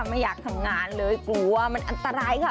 ไม่อยากทำงานเลยกลัวมันอันตรายค่ะ